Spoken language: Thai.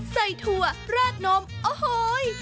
ใส่ถั่วราดนมโอ้โฮย